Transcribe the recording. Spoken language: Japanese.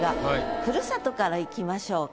「ふるさと」からいきましょうか。